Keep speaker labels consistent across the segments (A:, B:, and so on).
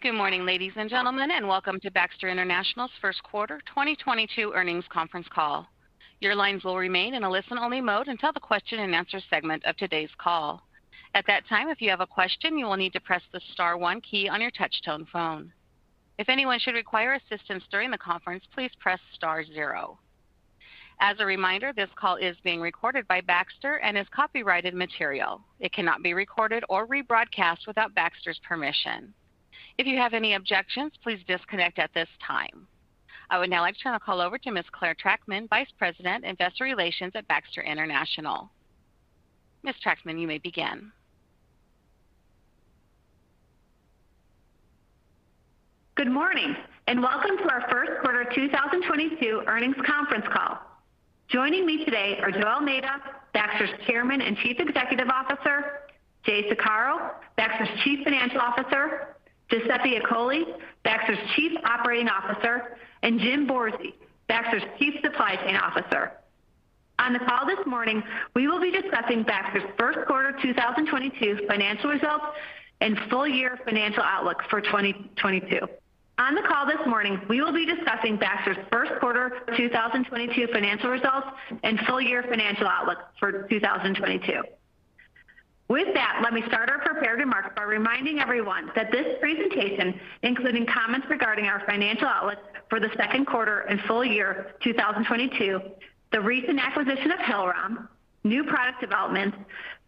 A: Good morning, ladies and gentlemen, and welcome to Baxter International's first quarter 2022 earnings conference call. Your lines will remain in a listen-only mode until the question-and-answer segment of today's call. At that time, if you have a question, you will need to press the star one key on your touchtone phone. If anyone should require assistance during the conference, please press star zero. As a reminder, this call is being recorded by Baxter and is copyrighted material. It cannot be recorded or rebroadcast without Baxter's permission. If you have any objections, please disconnect at this time. I would now like to turn the call over to Ms. Clare Trachtman, Vice President, Investor Relations at Baxter International. Ms. Trachtman, you may begin.
B: Good morning, and welcome to our first quarter 2022 earnings conference call. Joining me today are Joe Almeida, Baxter's Chairman and Chief Executive Officer, Jay Saccaro, Baxter's Chief Financial Officer, Giuseppe Accogli, Baxter's Chief Operating Officer, and James Borzi, Baxter's Chief Supply Chain Officer. On the call this morning, we will be discussing Baxter's first quarter 2022 financial results and full year financial outlook for 2022. On the call this morning, we will be discussing Baxter's first quarter of 2022 financial results and full year financial outlook for 2022. With that, let me start our prepared remarks by reminding everyone that this presentation, including comments regarding our financial outlook for the second quarter and full year 2022, the recent acquisition of Hillrom, new product development,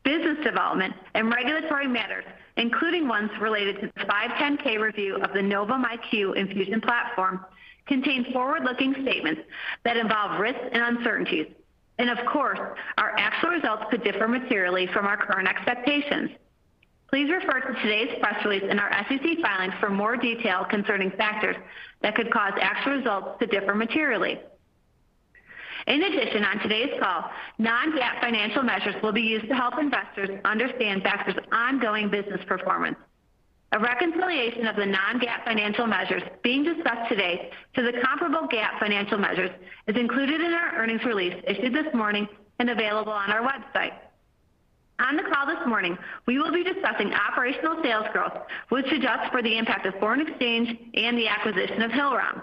B: business development and regulatory matters, including ones related to the 510(k) review of the Novum IQ infusion platform, contains forward-looking statements that involve risks and uncertainties. Of course, our actual results could differ materially from our current expectations. Please refer to today's press release in our SEC filings for more detail concerning factors that could cause actual results to differ materially. In addition, on today's call, Non-GAAP financial measures will be used to help investors understand Baxter's ongoing business performance. A reconciliation of the Non-GAAP financial measures being discussed today to the comparable GAAP financial measures is included in our earnings release issued this morning and available on our website. On the call this morning, we will be discussing operational sales growth, which adjusts for the impact of foreign exchange and the acquisition of Hillrom.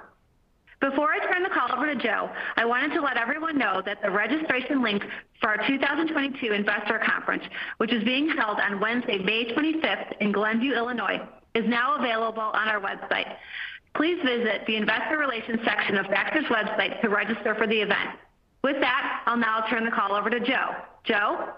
B: Before I turn the call over to Joe, I wanted to let everyone know that the registration link for our 2022 investor conference, which is being held on Wednesday, May 25th in Glenview, Illinois, is now available on our website. Please visit the investor relations section of Baxter's website to register for the event. With that, I'll now turn the call over to Joe. Joe?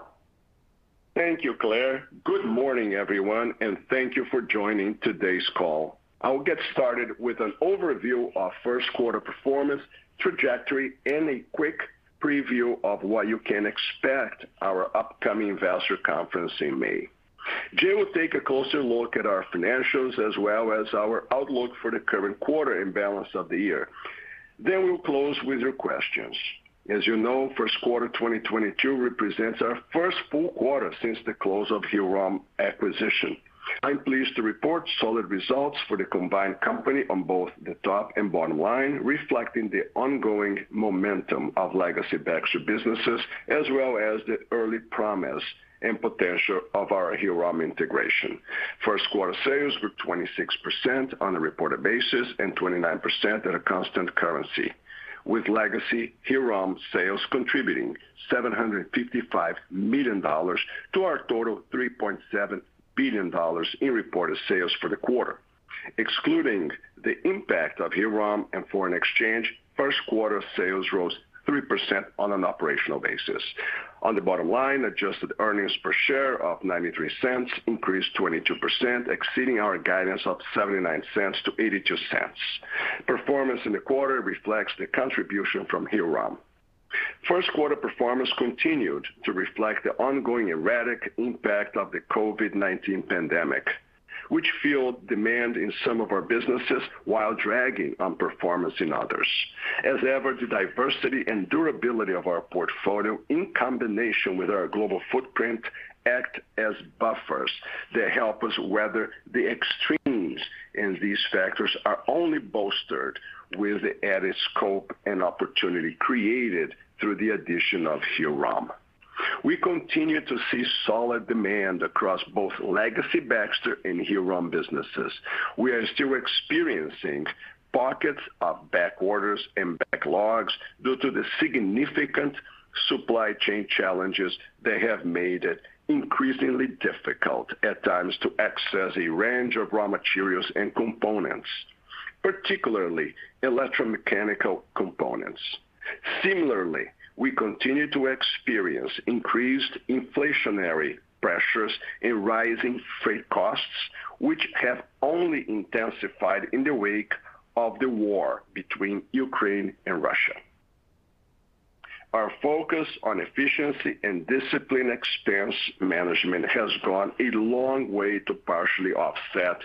C: Thank you, Clare. Good morning, everyone, and thank you for joining today's call. I will get started with an overview of first quarter performance trajectory and a quick preview of what you can expect our upcoming investor conference in May. Jay will take a closer look at our financials as well as our outlook for the current quarter and balance of the year. Then we'll close with your questions. As you know, first quarter 2022 represents our first full quarter since the close of Hillrom acquisition. I'm pleased to report solid results for the combined company on both the top and bottom line, reflecting the ongoing momentum of legacy Baxter businesses, as well as the early promise and potential of our Hillrom integration. First quarter sales were 26% on a reported basis and 29% at a constant currency, with legacy Hillrom sales contributing $755 million to our total $3.7 billion in reported sales for the quarter. Excluding the impact of Hillrom and foreign exchange, first quarter sales rose 3% on an operational basis. On the bottom line, adjusted earnings per share of $0.93 increased 22%, exceeding our guidance of $0.79-$0.82. Performance in the quarter reflects the contribution from Hillrom. First quarter performance continued to reflect the ongoing erratic impact of the COVID-19 pandemic, which fueled demand in some of our businesses while dragging on performance in others. As ever, the diversity and durability of our portfolio in combination with our global footprint act as buffers that help us weather the extremes, and these factors are only bolstered with the added scope and opportunity created through the addition of Hillrom. We continue to see solid demand across both legacy Baxter and Hillrom businesses. We are still experiencing pockets of back orders and backlogs due to the significant supply chain challenges that have made it increasingly difficult at times to access a range of raw materials and components, particularly electromechanical components. Similarly, we continue to experience increased inflationary pressures and rising freight costs, which have only intensified in the wake of the war between Ukraine and Russia. Our focus on efficiency and disciplined expense management has gone a long way to partially offset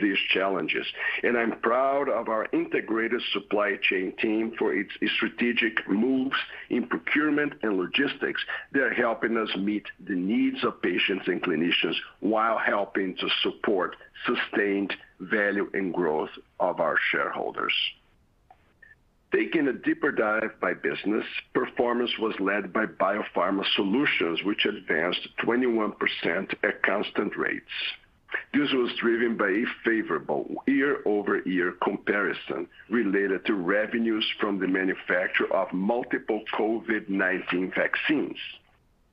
C: these challenges. I'm proud of our integrated supply chain team for its strategic moves in procurement and logistics that are helping us meet the needs of patients and clinicians while helping to support sustained value and growth of our shareholders. Taking a deeper dive by business, performance was led by BioPharma Solutions, which advanced 21% at constant rates. This was driven by a favorable year-over-year comparison related to revenues from the manufacture of multiple COVID-19 vaccines.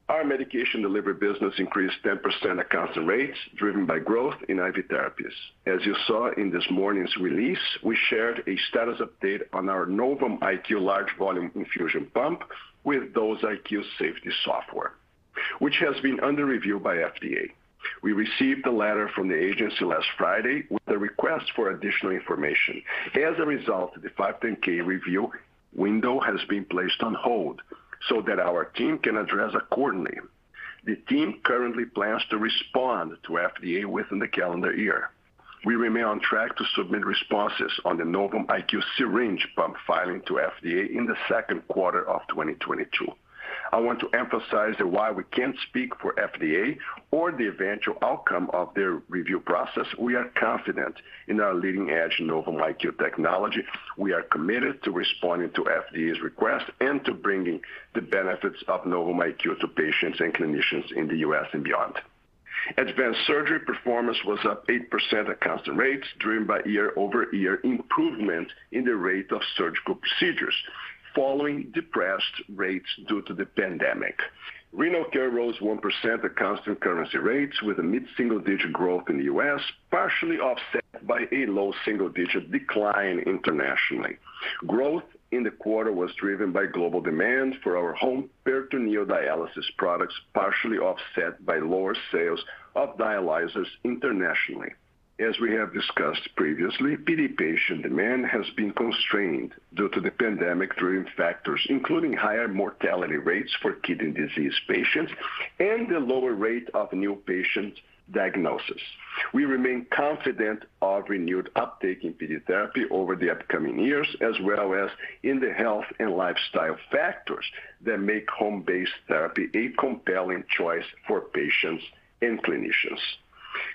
C: Our medication delivery business increased 10% at constant rates driven by growth in IV therapies. As you saw in this morning's release, we shared a status update on our Novum IQ large volume infusion pump with Dose IQ safety software, which has been under review by FDA. We received a letter from the agency last Friday with a request for additional information. As a result, the 510(k) review window has been placed on hold so that our team can address accordingly. The team currently plans to respond to FDA within the calendar year. We remain on track to submit responses on the Novum IQ syringe pump filing to FDA in the second quarter of 2022. I want to emphasize that while we can't speak for FDA or the eventual outcome of their review process, we are confident in our leading-edge Novum IQ technology. We are committed to responding to FDA's request and to bringing the benefits of Novum IQ to patients and clinicians in the U.S. and beyond. Advanced Surgery performance was up 8% at constant rates driven by year-over-year improvement in the rate of surgical procedures following depressed rates due to the pandemic. Renal Care rose 1% at constant currency rates with a mid-single-digit growth in the U.S., partially offset by a low single-digit decline internationally. Growth in the quarter was driven by global demand for our home peritoneal dialysis products, partially offset by lower sales of dialyzers internationally. As we have discussed previously, PD patient demand has been constrained due to the pandemic-driven factors, including higher mortality rates for kidney disease patients and a lower rate of new patient diagnosis. We remain confident of renewed uptake in PD therapy over the upcoming years as well as in the health and lifestyle factors that make home-based therapy a compelling choice for patients and clinicians.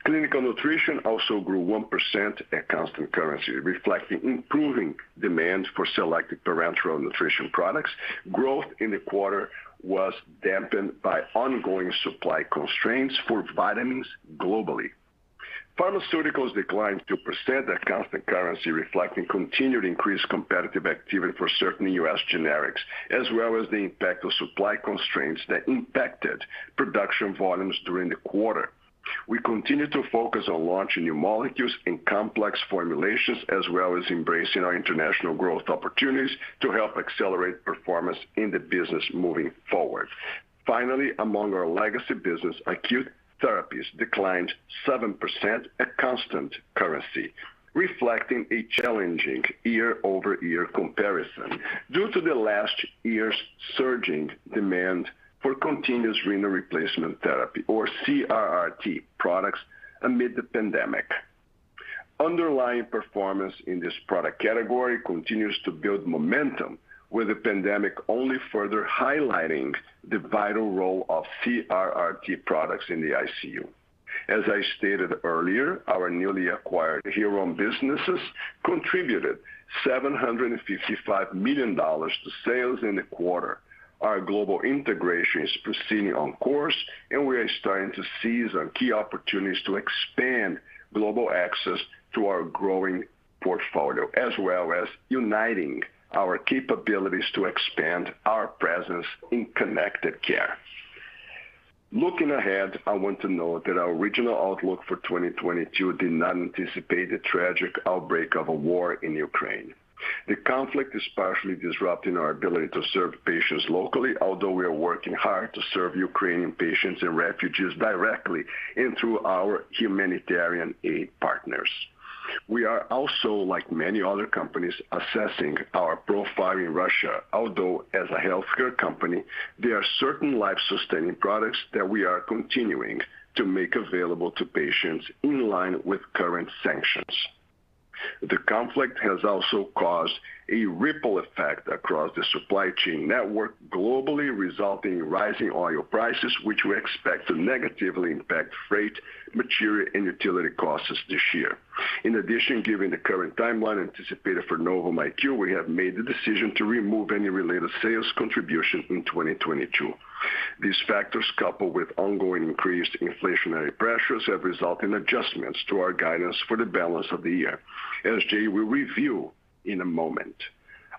C: Clinical Nutrition also grew 1% at constant currency, reflecting improving demand for selected parenteral nutrition products. Growth in the quarter was dampened by ongoing supply constraints for vitamins globally. Pharmaceuticals declined 2% at constant currency, reflecting continued increased competitive activity for certain U.S. generics as well as the impact of supply constraints that impacted production volumes during the quarter. We continue to focus on launching new molecules and complex formulations, as well as embracing our international growth opportunities to help accelerate performance in the business moving forward. Finally, among our legacy business, Acute Therapies declined 7% at constant currency, reflecting a challenging year-over-year comparison due to the last year's surging demand for continuous renal replacement therapy or CRRT products amid the pandemic. Underlying performance in this product category continues to build momentum, with the pandemic only further highlighting the vital role of CRRT products in the ICU. As I stated earlier, our newly acquired Hillrom businesses contributed $755 million to sales in the quarter. Our global integration is proceeding on course, and we are starting to seize on key opportunities to expand global access to our growing portfolio, as well as uniting our capabilities to expand our presence in connected care. Looking ahead, I want to note that our original outlook for 2022 did not anticipate the tragic outbreak of a war in Ukraine. The conflict is partially disrupting our ability to serve patients locally, although we are working hard to serve Ukrainian patients and refugees directly and through our humanitarian aid partners. We are also, like many other companies, assessing our profile in Russia. Although, as a healthcare company, there are certain life-sustaining products that we are continuing to make available to patients in line with current sanctions. The conflict has also caused a ripple effect across the supply chain network globally, resulting in rising oil prices, which we expect to negatively impact freight, material, and utility costs this year. In addition, given the current timeline anticipated for Novum IQ, we have made the decision to remove any related sales contribution in 2022. These factors, coupled with ongoing increased inflationary pressures, have resulted in adjustments to our guidance for the balance of the year, as Jay will review in a moment.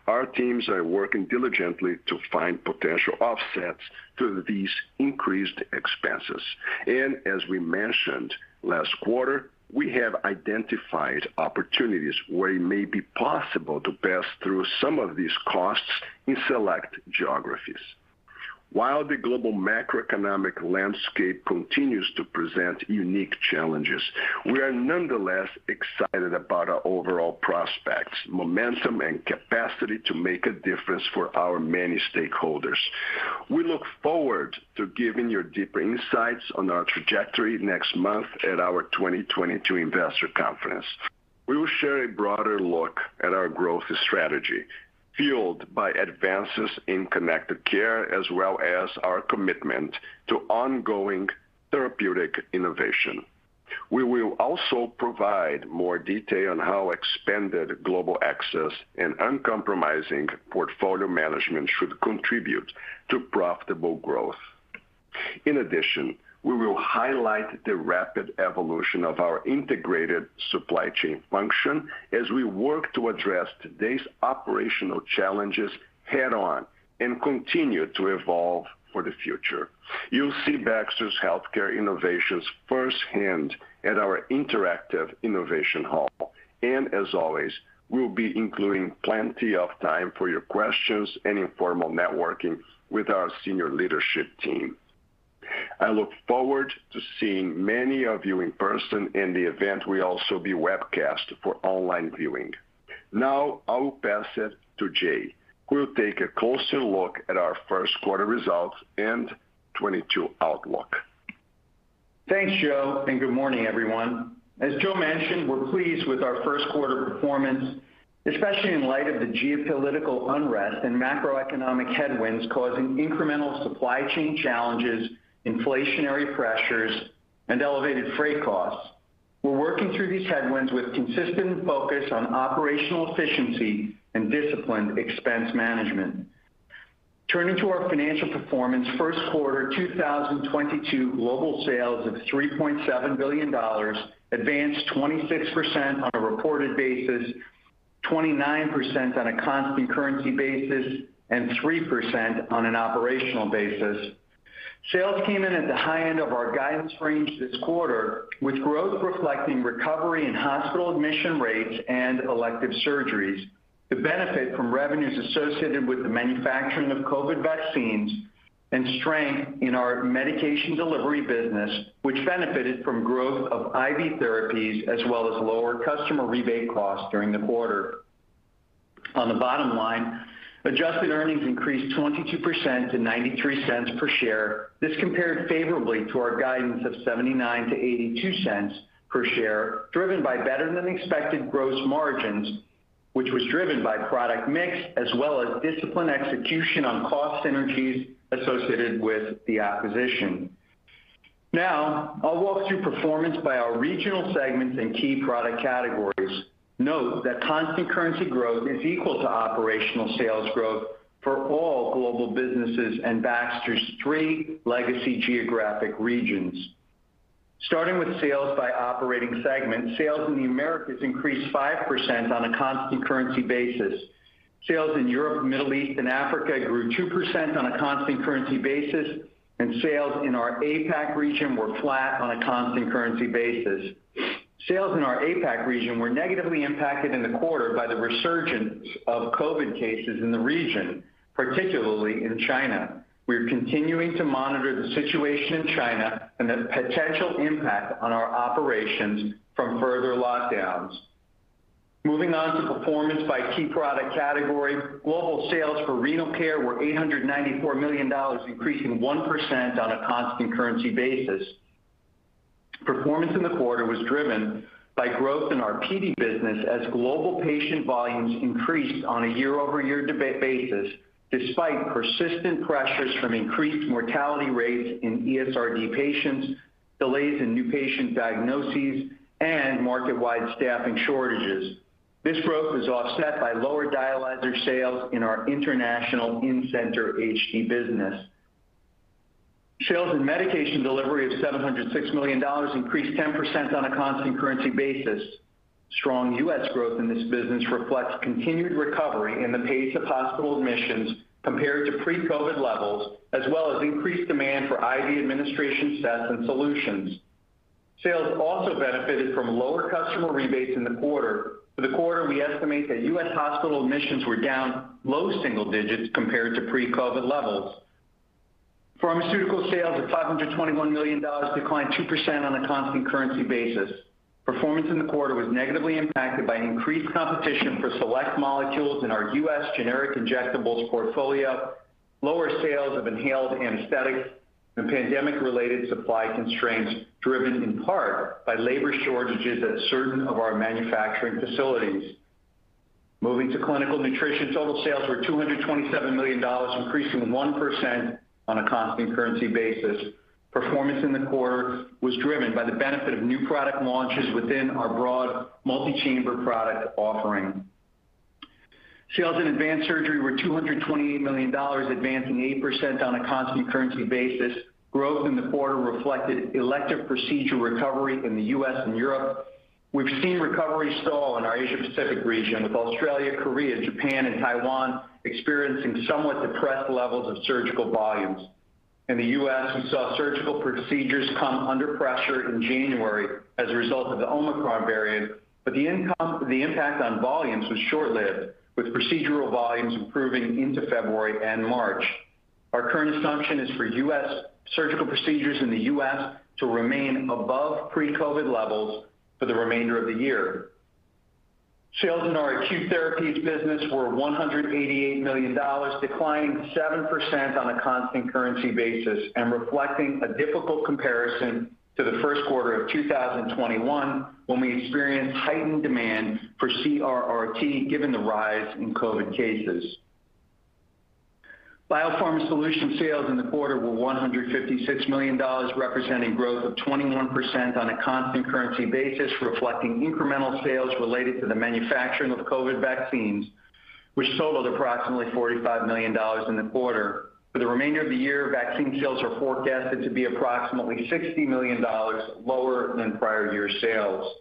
C: Our teams are working diligently to find potential offsets to these increased expenses. As we mentioned last quarter, we have identified opportunities where it may be possible to pass through some of these costs in select geographies. While the global macroeconomic landscape continues to present unique challenges, we are nonetheless excited about our overall prospects, momentum, and capacity to make a difference for our many stakeholders. We look forward to giving you deeper insights on our trajectory next month at our 2022 investor conference. We will share a broader look at our growth strategy fueled by advances in connected care as well as our commitment to ongoing therapeutic innovation. We will also provide more detail on how expanded global access and uncompromising portfolio management should contribute to profitable growth. In addition, we will highlight the rapid evolution of our integrated supply chain function as we work to address today's operational challenges head on and continue to evolve for the future. You'll see Baxter's healthcare innovations firsthand at our interactive innovation hall. As always, we'll be including plenty of time for your questions and informal networking with our senior leadership team. I look forward to seeing many of you in person, and the event will also be webcast for online viewing. Now I will pass it to Jay, who will take a closer look at our first quarter results and 2022 outlook.
D: Thanks, Joe, and good morning, everyone. As Joe mentioned, we're pleased with our first quarter performance, especially in light of the geopolitical unrest and macroeconomic headwinds causing incremental supply chain challenges, inflationary pressures, and elevated freight costs. We're working through these headwinds with consistent focus on operational efficiency and disciplined expense management. Turning to our financial performance, first quarter 2022 global sales of $3.7 billion advanced 26% on a reported basis, 29% on a constant currency basis, and 3% on an operational basis. Sales came in at the high end of our guidance range this quarter, with growth reflecting recovery in hospital admission rates and elective surgeries to benefit from revenues associated with the manufacturing of COVID vaccines and strength in our medication delivery business, which benefited from growth of IV therapies as well as lower customer rebate costs during the quarter. On the bottom line, adjusted earnings increased 22% to $0.93 per share. This compared favorably to our guidance of $0.79-$0.82 per share, driven by better-than-expected gross margins, which was driven by product mix as well as disciplined execution on cost synergies associated with the acquisition. Now, I'll walk through performance by our regional segments and key product categories. Note that constant currency growth is equal to operational sales growth for all global businesses and Baxter's three legacy geographic regions. Starting with sales by operating segment, sales in the Americas increased 5% on a constant currency basis. Sales in Europe, Middle East, and Africa grew 2% on a constant currency basis, and sales in our APAC region were flat on a constant currency basis. Sales in our APAC region were negatively impacted in the quarter by the resurgence of COVID cases in the region, particularly in China. We're continuing to monitor the situation in China and the potential impact on our operations from further lockdowns. Moving on to performance by key product category. Global sales for Renal Care were $894 million, increasing 1% on a constant currency basis. Performance in the quarter was driven by growth in our PD business as global patient volumes increased on a year-over-year basis despite persistent pressures from increased mortality rates in ESRD patients, delays in new patient diagnoses, and market-wide staffing shortages. This growth was offset by lower dialyzer sales in our international in-center HD business. Sales in Medication Delivery of $706 million increased 10% on a constant currency basis. Strong U.S. growth in this business reflects continued recovery in the pace of hospital admissions compared to pre-COVID levels, as well as increased demand for IV administration sets and solutions. Sales also benefited from lower customer rebates in the quarter. For the quarter, we estimate that U.S. hospital admissions were down low single digits compared to pre-COVID levels. Pharmaceuticals sales of $521 million declined 2% on a constant currency basis. Performance in the quarter was negatively impacted by increased competition for select molecules in our U.S. generic injectables portfolio, lower sales of inhaled anesthetics, and pandemic-related supply constraints driven in part by labor shortages at certain of our manufacturing facilities. Moving to Clinical Nutrition, total sales were $227 million, increasing 1% on a constant currency basis. Performance in the quarter was driven by the benefit of new product launches within our broad multi-chamber product offering. Sales in Advanced Surgery were $228 million, advancing 8% on a constant currency basis. Growth in the quarter reflected elective procedure recovery in the U.S. and Europe. We've seen recovery stall in our Asia-Pacific region, with Australia, Korea, Japan, and Taiwan experiencing somewhat depressed levels of surgical volumes. In the US, we saw surgical procedures come under pressure in January as a result of the Omicron variant, but the impact on volumes was short-lived, with procedural volumes improving into February and March. Our current assumption is for U.S. surgical procedures in the U.S. to remain above pre-COVID levels for the remainder of the year. Sales in our acute therapies business were $188 million, declining 7% on a constant currency basis and reflecting a difficult comparison to the first quarter of 2021 when we experienced heightened demand for CRRT, given the rise in COVID cases. BioPharma Solutions sales in the quarter were $156 million, representing growth of 21% on a constant currency basis, reflecting incremental sales related to the manufacturing of COVID vaccines, which totaled approximately $45 million in the quarter. For the remainder of the year, vaccine sales are forecasted to be approximately $60 million lower than prior year sales.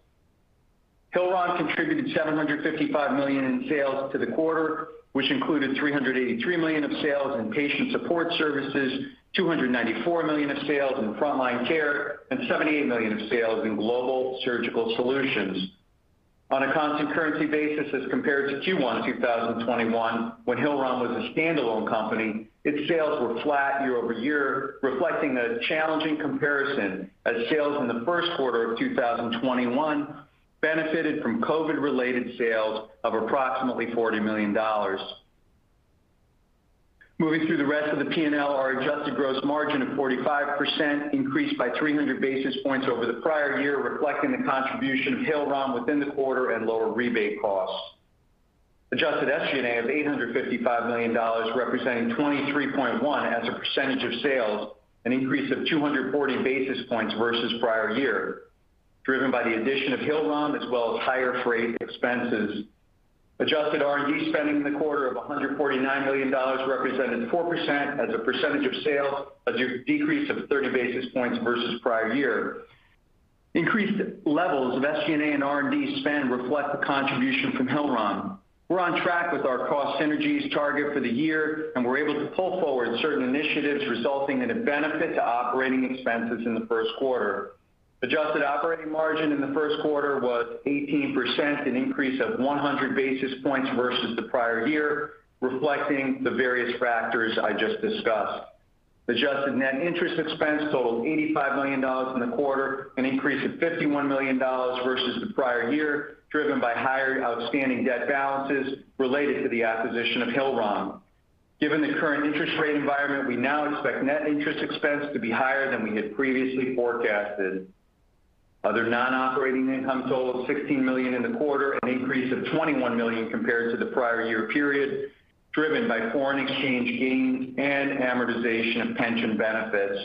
D: Hillrom contributed $755 million in sales to the quarter, which included $383 million of sales in Patient Support Systems, $294 million of sales in Front Line Care, and $78 million of sales in Global Surgical Solutions. On a constant currency basis as compared to Q1 2021, when Hillrom was a standalone company, its sales were flat year-over-year, reflecting a challenging comparison as sales in the first quarter of 2021 benefited from COVID related sales of approximately $40 million. Moving through the rest of the P&L, our adjusted gross margin of 45% increased by 300 basis points over the prior year, reflecting the contribution of Hillrom within the quarter and lower rebate costs. Adjusted SG&A of $855 million, representing 23.1% of sales, an increase of 240 basis points versus prior year, driven by the addition of Hillrom as well as higher freight expenses. Adjusted R&D spending in the quarter of $149 million represented 4% of sales, a decrease of 30 basis points versus prior year. Increased levels of SG&A and R&D spend reflect the contribution from Hillrom. We're on track with our cost synergies target for the year, and we're able to pull forward certain initiatives resulting in a benefit to operating expenses in the first quarter. Adjusted operating margin in the first quarter was 18%, an increase of 100 basis points versus the prior year, reflecting the various factors I just discussed. Adjusted net interest expense totaled $85 million in the quarter, an increase of $51 million versus the prior year, driven by higher outstanding debt balances related to the acquisition of Hillrom. Given the current interest rate environment, we now expect net interest expense to be higher than we had previously forecasted. Other non-operating income totaled $16 million in the quarter, an increase of $21 million compared to the prior year period, driven by foreign exchange gains and amortization of pension benefits.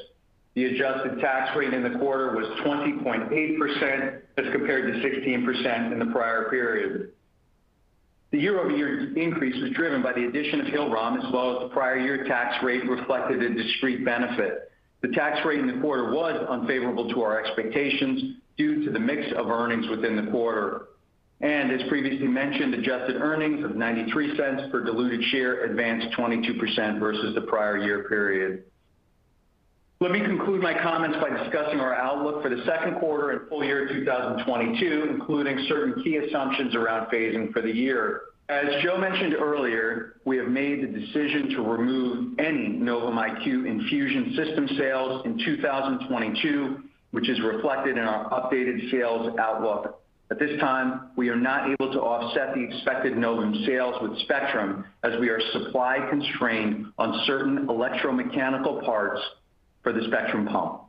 D: The adjusted tax rate in the quarter was 20.8% as compared to 16% in the prior period. The year-over-year increase was driven by the addition of Hillrom, as well as the prior year tax rate reflected in discrete benefit. The tax rate in the quarter was unfavorable to our expectations due to the mix of earnings within the quarter. As previously mentioned, adjusted earnings of $0.93 per diluted share advanced 22% versus the prior year period. Let me conclude my comments by discussing our outlook for the second quarter and full year 2022, including certain key assumptions around phasing for the year. As Joe mentioned earlier, we have made the decision to remove any Novum IQ infusion system sales in 2022, which is reflected in our updated sales outlook. At this time, we are not able to offset the expected Novum IQ sales with Spectrum as we are supply constrained on certain electromechanical parts for the Spectrum pump.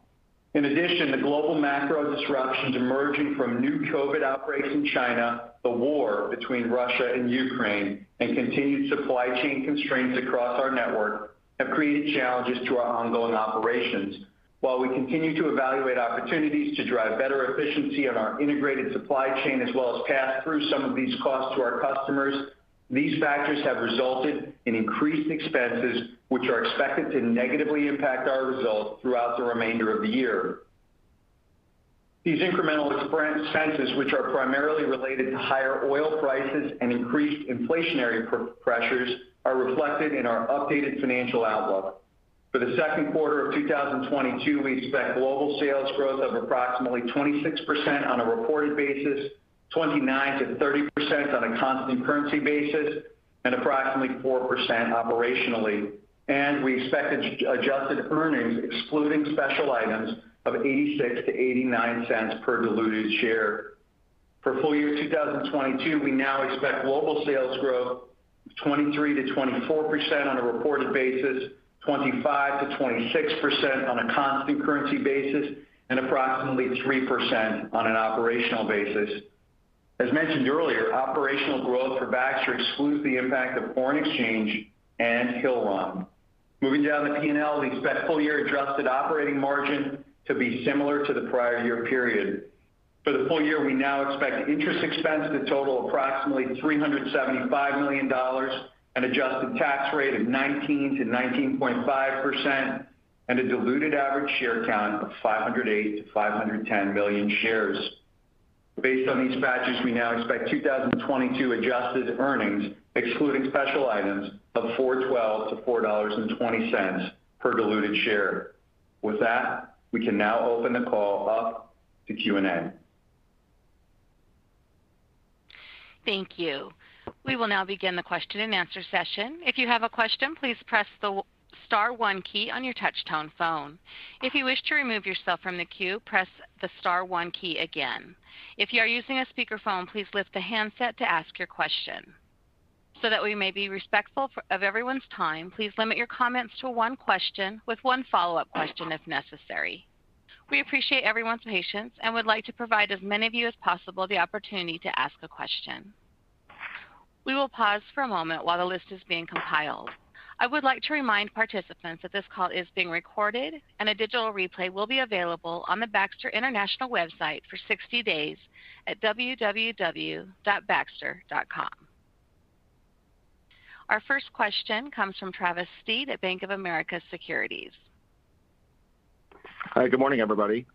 D: In addition, the global macro disruptions emerging from new COVID outbreaks in China, the war between Russia and Ukraine, and continued supply chain constraints across our network have created challenges to our ongoing operations. While we continue to evaluate opportunities to drive better efficiency in our integrated supply chain, as well as pass through some of these costs to our customers, these factors have resulted in increased expenses, which are expected to negatively impact our results throughout the remainder of the year. These incremental expenses, which are primarily related to higher oil prices and increased inflationary pressures, are reflected in our updated financial outlook. For the second quarter of 2022, we expect global sales growth of approximately 26% on a reported basis, 29%-30% on a constant currency basis, and approximately 4% operationally. We expect adjusted earnings excluding special items of $0.86-$0.89 per diluted share. For full year 2022, we now expect global sales growth of 23%-24% on a reported basis, 25%-26% on a constant currency basis, and approximately 3% on an operational basis. As mentioned earlier, operational growth for Baxter excludes the impact of foreign exchange and Hillrom. Moving down the P&L, we expect full year adjusted operating margin to be similar to the prior year period. For the full year, we now expect interest expense to total approximately $375 million, an adjusted tax rate of 19%-19.5%, and a diluted average share count of 508 million-510 million shares. Based on these factors, we now expect 2022 adjusted earnings, excluding special items, of $4.12-$4.20 per diluted share. With that, we can now open the call up to Q&A.
A: Thank you. We will now begin the question and answer session. If you have a question, please press the star one key on your touchtone phone. If you wish to remove yourself from the queue, press the star one key again. If you are using a speakerphone, please lift the handset to ask your question. So that we may be respectful of everyone's time, please limit your comments to one question with one follow-up question if necessary. We appreciate everyone's patience and would like to provide as many of you as possible the opportunity to ask a question. We will pause for a moment while the list is being compiled. I would like to remind participants that this call is being recorded and a digital replay will be available on the Baxter International website for 60 days at www.baxter.com. Our first question comes from Travis Steed at Bank of America Securities.
E: Hi, good morning, everybody.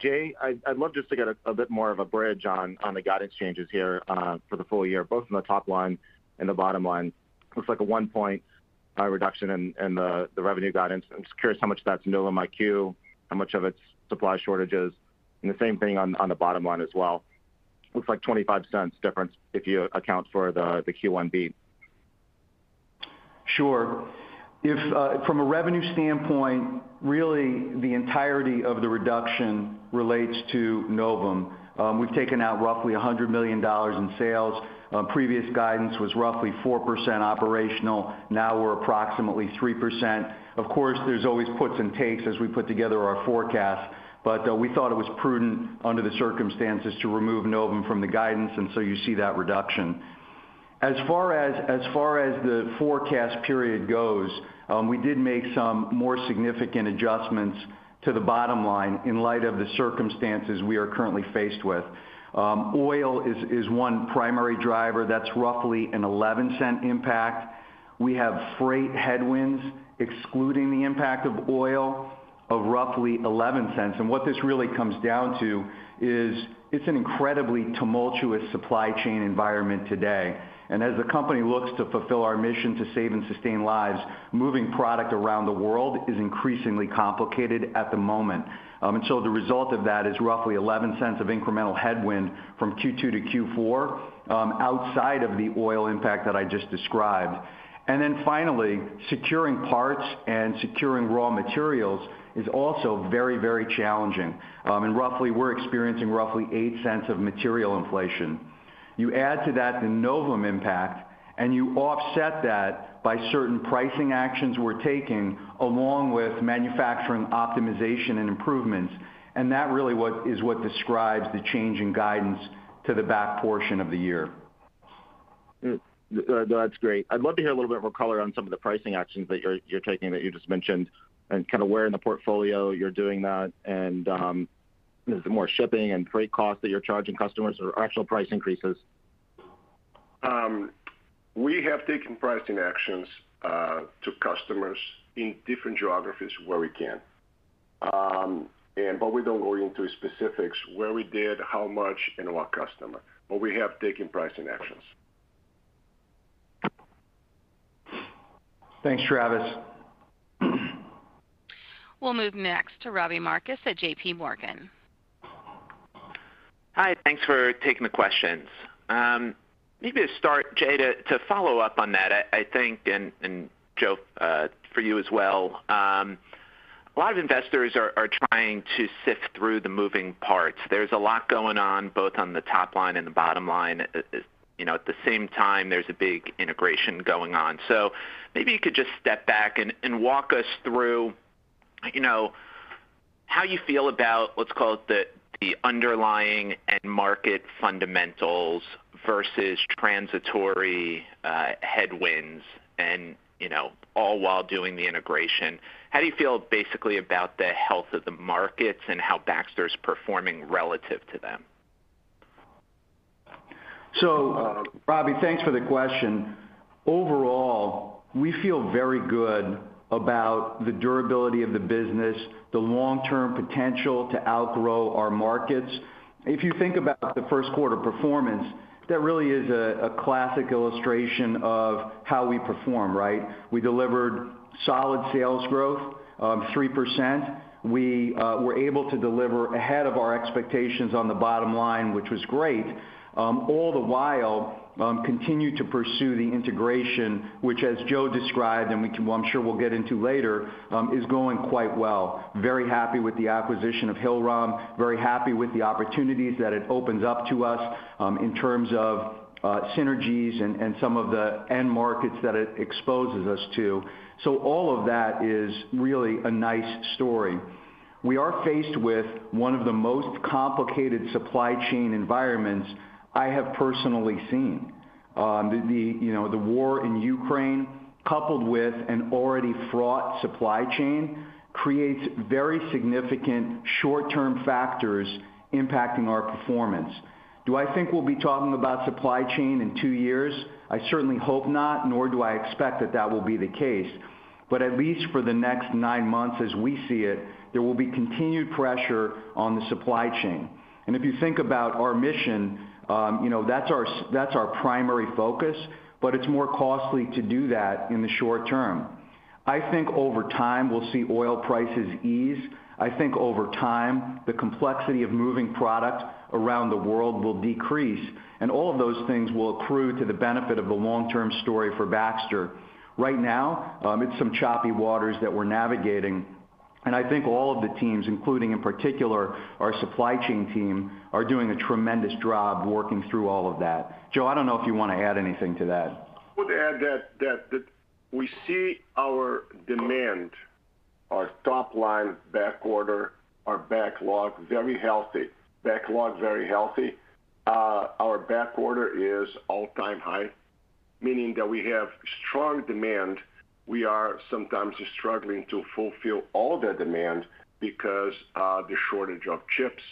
E: Jay, I'd love just to get a bit more of a bridge on the guidance changes here, for the full year, both on the top line and the bottom line. Looks like a 1% reduction in the revenue guidance. I'm just curious how much that's Novum IQ, how much of it's supply shortages. The same thing on the bottom line as well. Looks like $0.25 difference if you account for the Q1B.
D: Sure. If from a revenue standpoint, really the entirety of the reduction relates to Novum. We've taken out roughly $100 million in sales. Previous guidance was roughly 4% operational. Now we're approximately 3%. Of course, there's always puts and takes as we put together our forecast, but we thought it was prudent under the circumstances to remove Novum from the guidance, and so you see that reduction. As far as the forecast period goes, we did make some more significant adjustments to the bottom line in light of the circumstances we are currently faced with. Oil is one primary driver that's roughly a $0.11 impact. We have freight headwinds excluding the impact of oil of roughly $0.11. What this really comes down to is it's an incredibly tumultuous supply chain environment today. As the company looks to fulfill our mission to save and sustain lives, moving product around the world is increasingly complicated at the moment. The result of that is roughly $0.11 of incremental headwind from Q2 to Q4, outside of the oil impact that I just described. Finally, securing parts and securing raw materials is also very, very challenging. Roughly we're experiencing roughly $0.08 of material inflation. You add to that the Novum impact, and you offset that by certain pricing actions we're taking along with manufacturing optimization and improvements. That really is what describes the change in guidance to the back portion of the year.
E: No, that's great. I'd love to hear a little bit more color on some of the pricing actions that you're taking that you just mentioned, and kind of where in the portfolio you're doing that and, is it more shipping and freight costs that you're charging customers or actual price increases?
C: We have taken pricing actions to customers in different geographies where we can. We don't go into specifics where we did, how much, and to what customer. We have taken pricing actions.
D: Thanks, Travis.
A: We'll move next to Robbie Marcus at J.P. Morgan.
F: Hi, thanks for taking the questions. Maybe to start, Jay, to follow up on that, I think, and Joe, for you as well, a lot of investors are trying to sift through the moving parts. There's a lot going on both on the top line and the bottom line. You know, at the same time, there's a big integration going on. Maybe you could just step back and walk us through, you know, how you feel about, let's call it the underlying end market fundamentals versus transitory headwinds and, you know, all while doing the integration. How do you feel basically about the health of the markets and how Baxter's performing relative to them?
D: Robbie, thanks for the question. Overall, we feel very good about the durability of the business, the long-term potential to outgrow our markets. If you think about the first quarter performance, that really is a classic illustration of how we perform, right? We delivered solid sales growth of 3%. We were able to deliver ahead of our expectations on the bottom line, which was great. All the while continued to pursue the integration, which as Joe described, I'm sure we'll get into later, is going quite well. Very happy with the acquisition of Hillrom. Very happy with the opportunities that it opens up to us, in terms of synergies and some of the end markets that it exposes us to. All of that is really a nice story. We are faced with one of the most complicated supply chain environments I have personally seen. You know, the war in Ukraine coupled with an already fraught supply chain creates very significant short-term factors impacting our performance. Do I think we'll be talking about supply chain in two years? I certainly hope not, nor do I expect that will be the case. At least for the next nine months as we see it, there will be continued pressure on the supply chain. If you think about our mission, you know, that's our primary focus, but it's more costly to do that in the short term. I think over time, we'll see oil prices ease. I think over time, the complexity of moving product around the world will decrease. All of those things will accrue to the benefit of the long-term story for Baxter. Right now, it's some choppy waters that we're navigating, and I think all of the teams, including in particular our supply chain team, are doing a tremendous job working through all of that. Joe, I don't know if you want to add anything to that.
C: I would add that we see our demand, our top line backorder, our backlog very healthy. Our backorder is all-time high, meaning that we have strong demand. We are sometimes struggling to fulfill all the demand because of the shortage of chips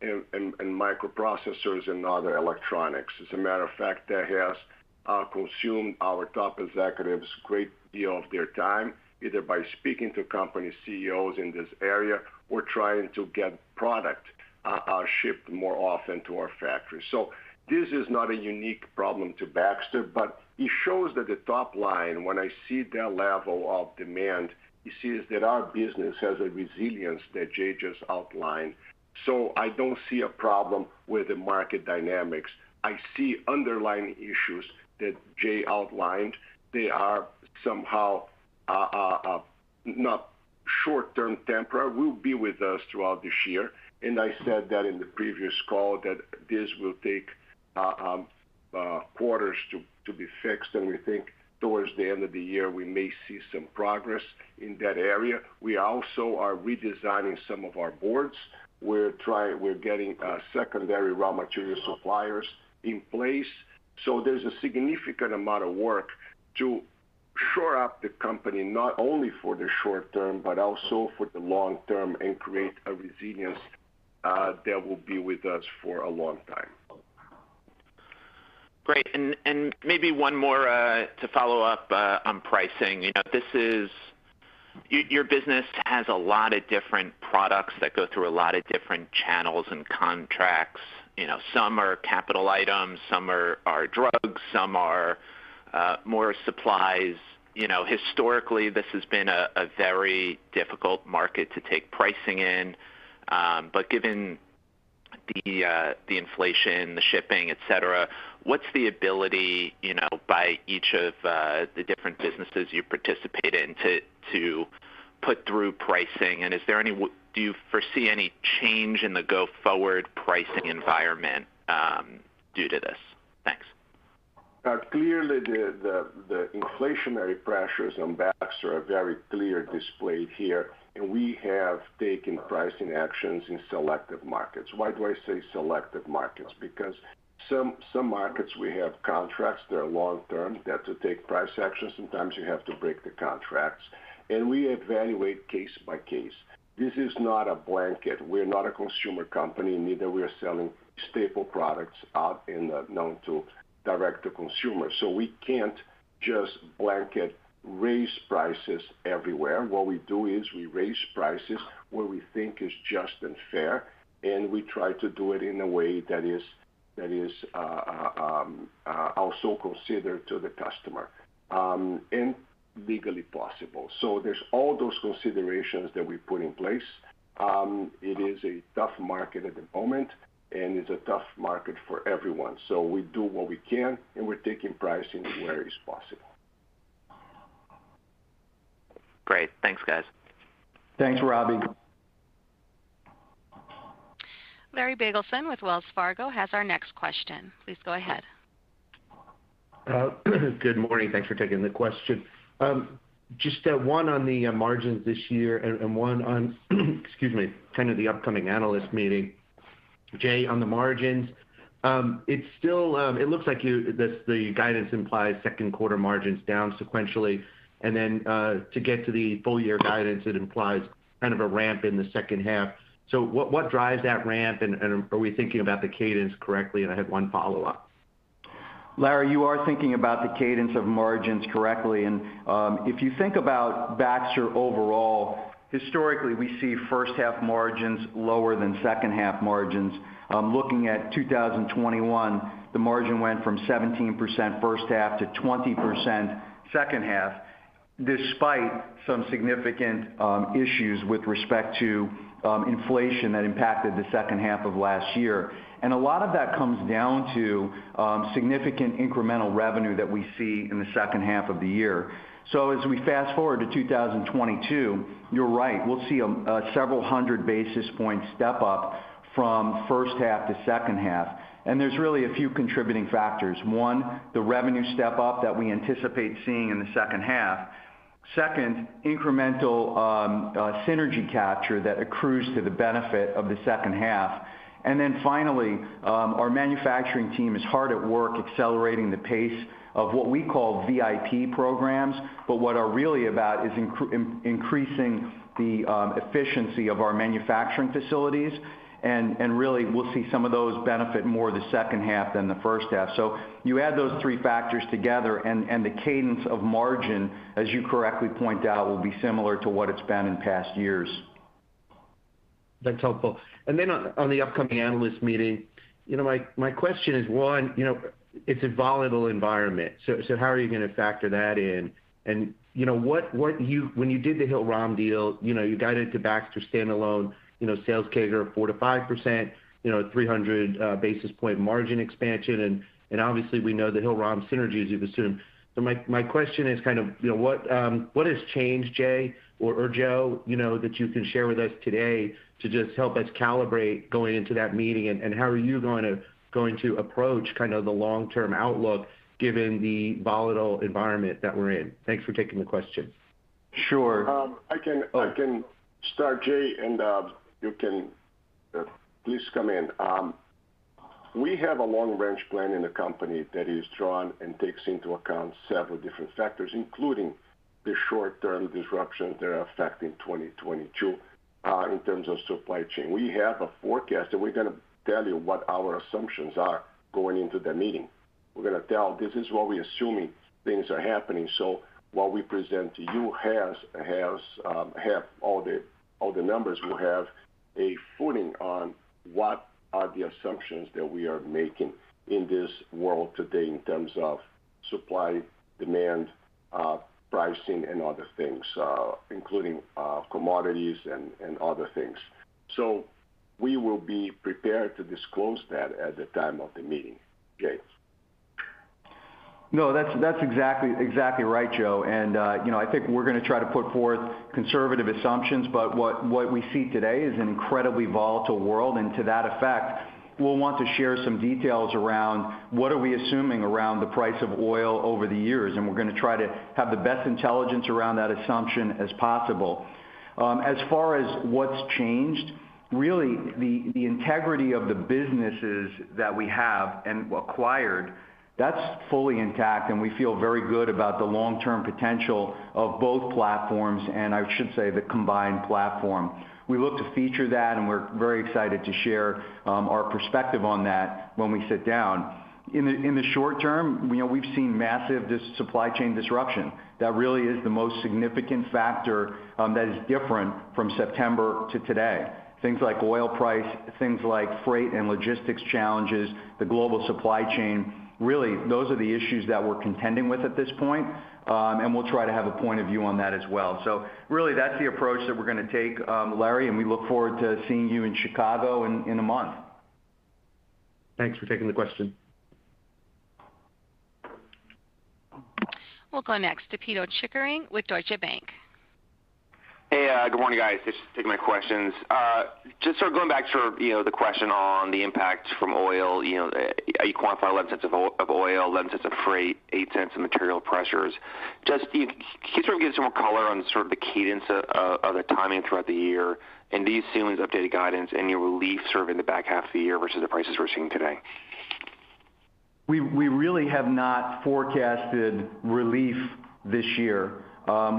C: and microprocessors and other electronics. As a matter of fact, that has consumed our top executives great deal of their time, either by speaking to company CEOs in this area or trying to get product shipped more often to our factories. This is not a unique problem to Baxter, but it shows that the top line, when I see that level of demand, you see is that our business has a resilience that Jay just outlined. I don't see a problem with the market dynamics. I see underlying issues that Jay outlined. They are somehow not short-term temporary, will be with us throughout this year. I said that in the previous call that this will take quarters to be fixed, and we think towards the end of the year we may see some progress in that area. We also are redesigning some of our boards. We're getting secondary raw material suppliers in place. There's a significant amount of work to shore up the company, not only for the short term, but also for the long-term and create a resilience that will be with us for a long time.
F: Great. Maybe one more to follow up on pricing. Your business has a lot of different products that go through a lot of different channels and contracts. Some are capital items, some are drugs, some are more supplies. Historically, this has been a very difficult market to take pricing in. But given the inflation, the shipping, et cetera, what's the ability by each of the different businesses you participate in to put through pricing? Do you foresee any change in the go-forward pricing environment due to this? Thanks.
C: Clearly the inflationary pressures on Baxter are very clearly displayed here. We have taken pricing actions in selective markets. Why do I say selective markets? Because some markets we have contracts that are long-term, that to take price actions, sometimes you have to break the contracts. We evaluate case by case. This is not a blanket. We're not a consumer company, neither we are selling staple products out in the open known to direct to consumer. We can't just blanket raise prices everywhere. What we do is we raise prices where we think is just and fair, and we try to do it in a way that is also considered to the customer and legally possible. There's all those considerations that we put in place. It is a tough market at the moment, and it's a tough market for everyone. We do what we can, and we're taking pricing where it's possible.
F: Great. Thanks, guys.
D: Thanks, Robbie.
A: Larry Biegelsen with Wells Fargo has our next question. Please go ahead.
G: Good morning. Thanks for taking the question. Just one on the margins this year and one on, excuse me, kind of the upcoming analyst meeting. Jay, on the margins, it looks like the guidance implies second quarter margins down sequentially. To get to the full year guidance, it implies kind of a ramp in the second half. What drives that ramp? Are we thinking about the cadence correctly? I have one follow-up.
D: Larry Biegelsen, you are thinking about the cadence of margins correctly. If you think about Baxter overall, historically, we see first half margins lower than second half margins. Looking at 2021, the margin went from 17% first half to 20% second half, despite some significant issues with respect to inflation that impacted the second half of last year. A lot of that comes down to significant incremental revenue that we see in the second half of the year. As we fast-forward to 2022, you're right. We'll see a several hundred basis point step-up from first half to second half. There's really a few contributing factors. One, the revenue step-up that we anticipate seeing in the second half. Second, incremental synergy capture that accrues to the benefit of the second half. Our manufacturing team is hard at work accelerating the pace of what we call VIP programs. What they're really about is increasing the efficiency of our manufacturing facilities. Really, we'll see some of those benefits more in the second half than the first half. You add those three factors together and the cadence of margins, as you correctly point out, will be similar to what it's been in past years.
G: That's helpful. Then on the upcoming analyst meeting, you know, my question is, one, you know, it's a volatile environment, so how are you going to factor that in? You know, when you did the Hillrom deal, you know, you guided to Baxter standalone, you know, sales CAGR of 4%-5%, you know, 300 basis point margin expansion. Obviously we know the Hillrom synergies you've assumed. My question is kind of, you know, what has changed, Jay or Joe, you know, that you can share with us today to just help us calibrate going into that meeting? How are you going to approach kind of the long-term outlook given the volatile environment that we're in? Thanks for taking the question.
D: Sure.
C: I can start, Jay, and you can please come in. We have a long-range plan in the company that is drawn and takes into account several different factors, including the short-term disruptions that are affecting 2022 in terms of supply chain. We have a forecast, and we're gonna tell you what our assumptions are going into the meeting. We're gonna tell this is what we're assuming things are happening. While what we present to you has all the numbers, we'll have a footing on what are the assumptions that we are making in this world today in terms of supply, demand, pricing and other things, including commodities and other things. We will be prepared to disclose that at the time of the meeting. Jay?
D: No, that's exactly right, Joe. You know, I think we're gonna try to put forth conservative assumptions, but what we see today is an incredibly volatile world. To that effect, we'll want to share some details around what are we assuming around the price of oil over the years, and we're gonna try to have the best intelligence around that assumption as possible. As far as what's changed, really the integrity of the businesses that we have and acquired, that's fully intact, and we feel very good about the long-term potential of both platforms, and I should say the combined platform. We look to feature that, and we're very excited to share our perspective on that when we sit down. In the short term, you know, we've seen massive supply chain disruption. That really is the most significant factor that is different from September to today. Things like oil price, things like freight and logistics challenges, the global supply chain, really, those are the issues that we're contending with at this point, and we'll try to have a point of view on that as well. Really that's the approach that we're gonna take, Larry, and we look forward to seeing you in Chicago in a month.
C: Thanks for taking the question.
A: We'll go next to Pito Chickering with Deutsche Bank.
H: Hey, good morning, guys. Thanks for taking my questions. Just sort of going back to, you know, the question on the impact from oil, you know, how you quantify $0.11 of oil, $0.11 of freight, $0.08 of material pressures. Just, can you sort of give some more color on sort of the cadence of the timing throughout the year and do you see in this updated guidance any relief sort of in the back half of the year versus the prices we're seeing today?
D: We really have not forecasted relief this year.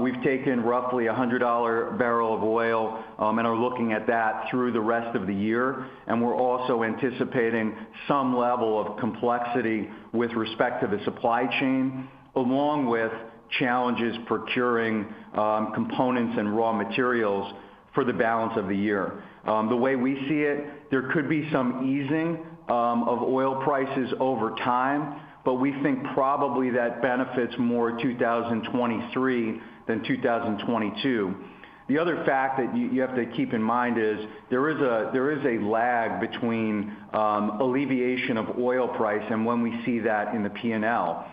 D: We've taken roughly a $100 barrel of oil and are looking at that through the rest of the year. We're also anticipating some level of complexity with respect to the supply chain, along with challenges procuring components and raw materials for the balance of the year. The way we see it, there could be some easing of oil prices over time, but we think probably that benefits more 2023 than 2022. The other fact that you have to keep in mind is there is a lag between alleviation of oil price and when we see that in the P&L.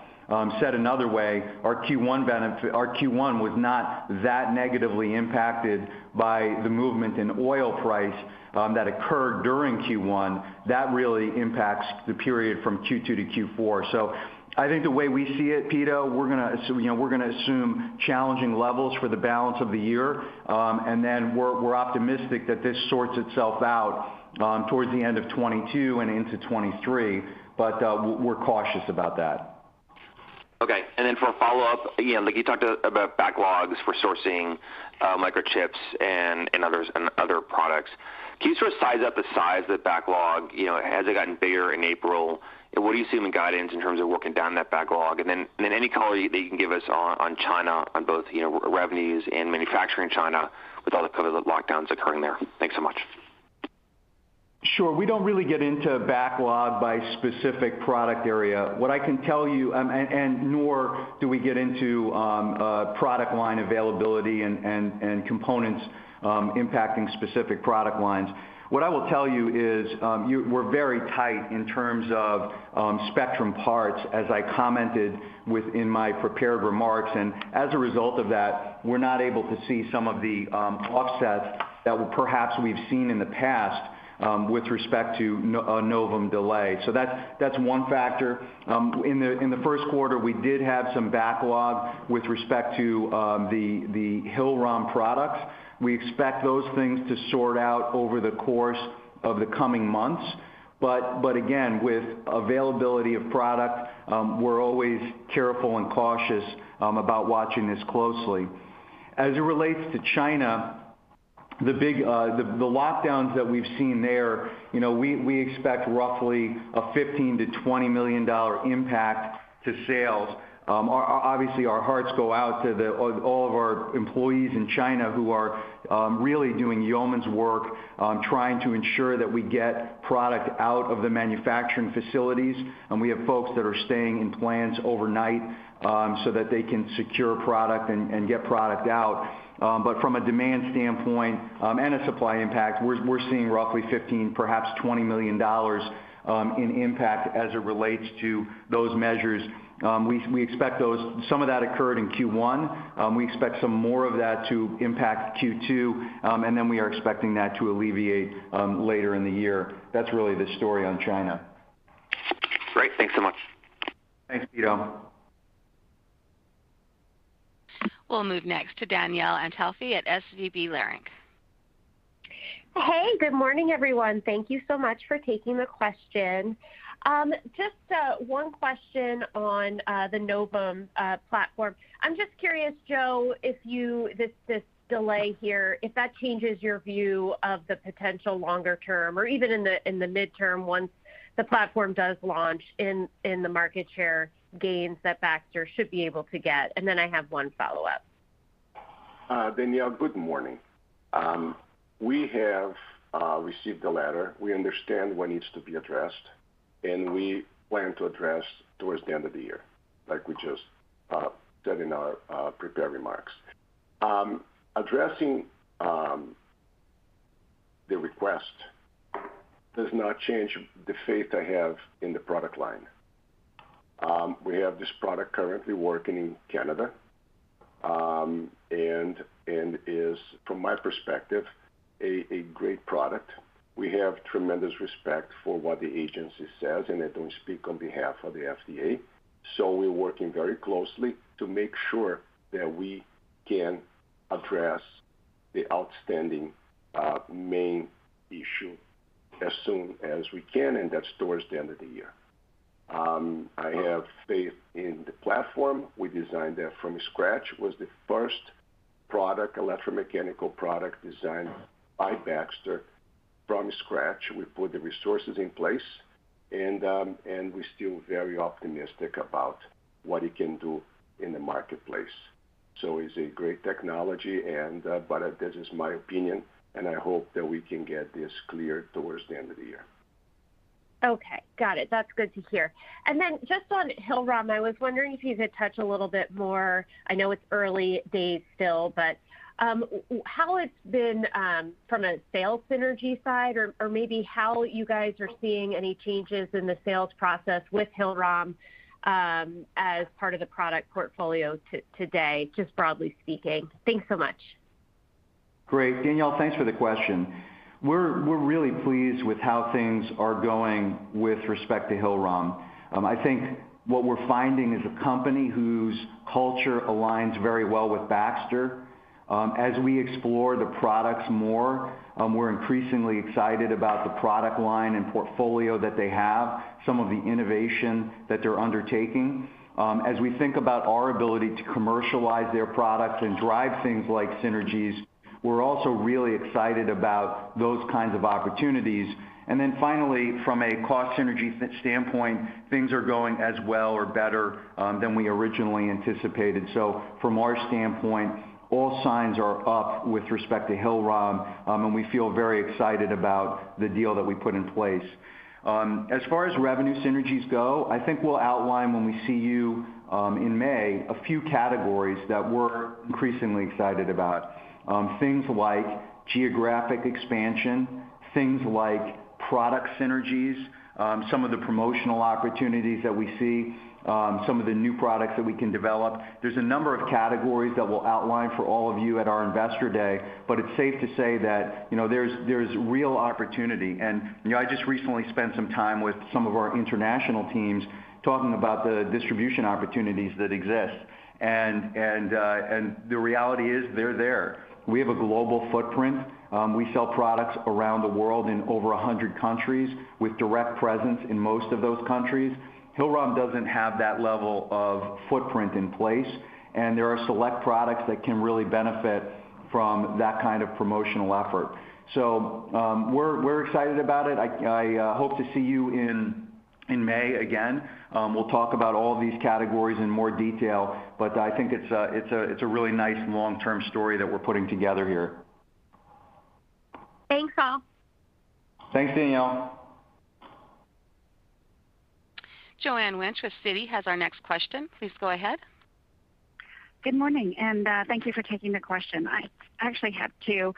D: Said another way, our Q1 was not that negatively impacted by the movement in oil price that occurred during Q1. That really impacts the period from Q2 to Q4. I think the way we see it, Pito Chickering, we're gonna you know, we're gonna assume challenging levels for the balance of the year. We're optimistic that this sorts itself out, towards the end of 2022 and into 2023, but we're cautious about that.
H: Okay. For a follow-up, again, like you talked about backlogs for sourcing microchips and others and other products. Can you sort of size up the size of the backlog? You know, has it gotten bigger in April? What do you see in the guidance in terms of working down that backlog? Then any color that you can give us on China on both, you know, revenues and manufacturing China with all the COVID lockdowns occurring there. Thanks so much.
D: Sure. We don't really get into backlog by specific product area. What I can tell you, and nor do we get into, product line availability and components, impacting specific product lines. What I will tell you is, we're very tight in terms of, Spectrum parts as I commented within my prepared remarks. As a result of that, we're not able to see some of the, offsets that perhaps we've seen in the past, with respect to Novum delay. That's one factor. In the first quarter, we did have some backlog with respect to, the Hillrom products. We expect those things to sort out over the course of the coming months. Again, with availability of product, we're always careful and cautious, about watching this closely. As it relates to China, the big lockdowns that we've seen there, you know, we expect roughly a $15 million-$20 million impact to sales. Our hearts go out to all of our employees in China who are really doing yeoman's work, trying to ensure that we get product out of the manufacturing facilities. We have folks that are staying in plants overnight, so that they can secure product and get product out. From a demand standpoint and a supply impact, we're seeing roughly $15 million, perhaps $20 million in impact as it relates to those measures. We expect those. Some of that occurred in Q1. We expect some more of that to impact Q2, and then we are expecting that to alleviate later in the year. That's really the story on China.
H: Great. Thanks so much.
C: Thanks, Pito.
A: We'll move next to Danielle Antalffy at SVB Leerink.
I: Hey, good morning, everyone. Thank you so much for taking the question. Just one question on the Novum platform. I'm just curious, Joe, this delay here, if that changes your view of the potential longer term or even in the midterm once the platform does launch in the market share gains that Baxter should be able to get. I have one follow-up.
C: Danielle, good morning. We have received the letter. We understand what needs to be addressed, and we plan to address towards the end of the year, like we just said in our prepared remarks. Addressing the request does not change the faith I have in the product line. We have this product currently working in Canada, and is from my perspective a great product. We have tremendous respect for what the agency says, and I don't speak on behalf of the FDA. We're working very closely to make sure that we can address the outstanding main issue as soon as we can, and that's towards the end of the year. I have faith in the platform. We designed that from scratch. It was the first product, electromechanical product, designed by Baxter from scratch. We put the resources in place and we're still very optimistic about what it can do in the marketplace. It's a great technology and, but this is my opinion, and I hope that we can get this cleared towards the end of the year.
I: Okay. Got it. That's good to hear. Just on Hillrom, I was wondering if you could touch a little bit more. I know it's early days still, but how it's been from a sales synergy side or maybe how you guys are seeing any changes in the sales process with Hillrom as part of the product portfolio today, just broadly speaking. Thanks so much.
C: Great, Danielle. Thanks for the question. We're really pleased with how things are going with respect to Hillrom. I think what we're finding is a company whose culture aligns very well with Baxter. As we explore the products more, we're increasingly excited about the product line and portfolio that they have, some of the innovation that they're undertaking. As we think about our ability to commercialize their products and drive things like synergies, we're also really excited about those kinds of opportunities. Then finally, from a cost synergy standpoint, things are going as well or better than we originally anticipated. From our standpoint, all signs are up with respect to Hillrom, and we feel very excited about the deal that we put in place. As far as revenue synergies go, I think we'll outline when we see you in May a few categories that we're increasingly excited about. Things like geographic expansion, things like product synergies, some of the promotional opportunities that we see, some of the new products that we can develop. There's a number of categories that we'll outline for all of you at our investor day, but it's safe to say that, you know, there's real opportunity. You know, I just recently spent some time with some of our international teams talking about the distribution opportunities that exist. And the reality is they're there. We have a global footprint. We sell products around the world in over 100 countries with direct presence in most of those countries. Hillrom doesn't have that level of footprint in place, and there are select products that can really benefit from that kind of promotional effort. We're excited about it. I hope to see you in May again. We'll talk about all these categories in more detail, but I think it's a really nice long-term story that we're putting together here.
I: Thanks, Joe.
C: Thanks, Danielle.
A: Joanne Wuensch with Citi has our next question. Please go ahead.
J: Good morning, and thank you for taking the question. I actually have two.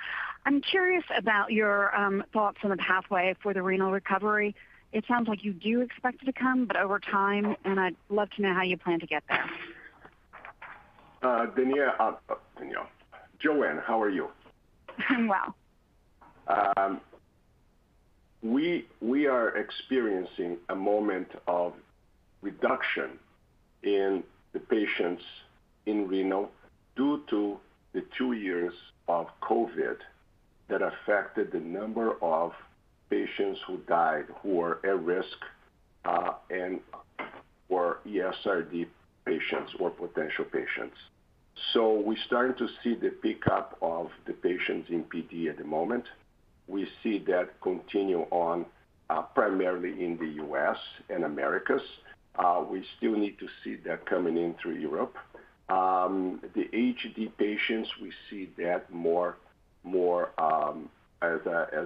J: I'm curious about your thoughts on the pathway for the renal recovery. It sounds like you do expect it to come, but over time, and I'd love to know how you plan to get there.
C: Danielle. Joanne, how are you?
J: I'm well.
C: We are experiencing a moment of reduction in the patients in renal due to the two years of COVID that affected the number of patients who died, who are at risk, and were ESRD patients or potential patients. We started to see the pickup of the patients in PD at the moment. We see that continue on, primarily in the U.S. and Americas. We still need to see that coming in through Europe. The HD patients, we see that more as